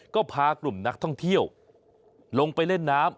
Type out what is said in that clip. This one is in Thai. ก็พากลุ่มนักท่องเที่ยวลงไปเล่นน้ำ